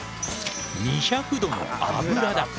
２００度の油だ。